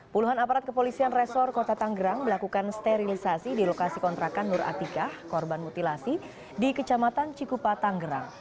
puluhan aparat kepolisian resor kota tanggerang melakukan sterilisasi di lokasi kontrakan nur atikah korban mutilasi di kecamatan cikupa tanggerang